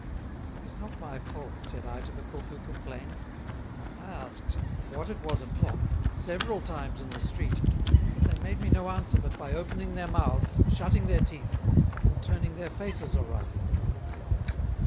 It is not my Fault, said I to the Cook, who complained: I asked what it was a Clock several times in the Street, but they made me no answer but by opening their Mouths, shutting their Teeth, and turning their Faces awry.